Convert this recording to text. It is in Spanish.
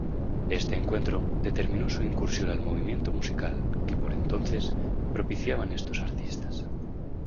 Este encuentro determinó su incursión al movimiento musical que, por entonces, propiciaban estos artistas.